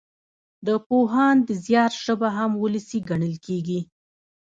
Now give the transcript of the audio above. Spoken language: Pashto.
د پوهاند زيار ژبه هم وولسي ګڼل کېږي.